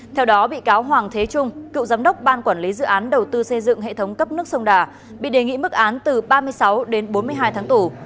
theo đó bị cáo hoàng thế trung cựu giám đốc ban quản lý dự án đầu tư xây dựng hệ thống cấp nước sông đà bị đề nghị mức án từ ba mươi sáu đến bốn mươi hai tháng tù